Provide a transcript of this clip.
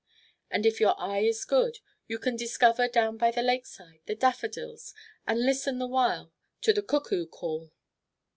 And if your eye is good you can discover down by the lakeside the daffodils, and listen the while to the cuckoo call.